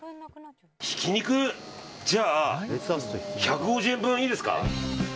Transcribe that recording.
ひき肉１５０円分、いいですか。